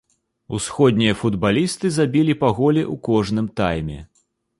Усходнія футбалісты забілі па голе ў кожным тайме.